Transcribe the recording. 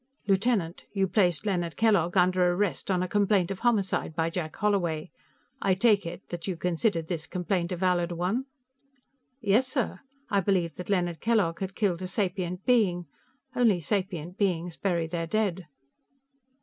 "Lieutenant, you placed Leonard Kellogg under arrest on a complaint of homicide by Jack Holloway. I take it that you considered this complaint a valid one?" "Yes, sir. I believed that Leonard Kellogg had killed a sapient being. Only sapient beings bury their dead."